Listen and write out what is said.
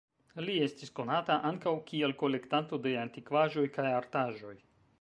Li estis konata ankaŭ kiel kolektanto de antikvaĵoj kaj artaĵoj.